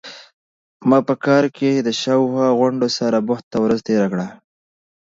ما په کار کې د شا او خوا غونډو سره بوخته ورځ تیره کړه.